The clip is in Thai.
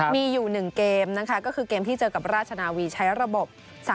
มีอยู่๑เกมนะคะก็คือเกมที่เจอกับราชนาวีใช้ระบบ๓